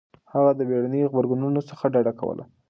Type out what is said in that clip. هغه د بېړنيو غبرګونونو څخه ډډه کوله.